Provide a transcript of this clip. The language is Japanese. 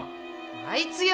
あいつよ。